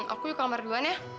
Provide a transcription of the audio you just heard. aku yuk ke kamar dua an ya